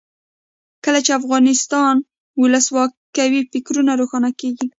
کله چې افغانستان کې ولسواکي وي فکرونه روښانه کیږي.